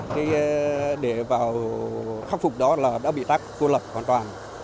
thì để vào khắc phục đó là đã bị tắt cô lập hoàn toàn